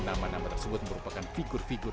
nama nama tersebut merupakan figur figur